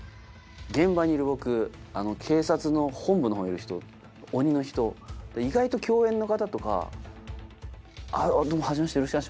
現場にいる僕警察の本部のほうにいる人鬼の人意外と共演の方とかあっどうもはじめましてよろしくお願いします。